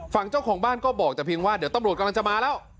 ฝั่งเจ้าของบ้านก็บอกแต่เพียงว่าเดี๋ยวตำรวจกำลังจะมาแล้ว